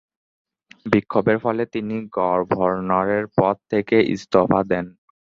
বিক্ষোভের ফলে তিনি গভর্নরের পদ থেকে ইস্তফা দেন।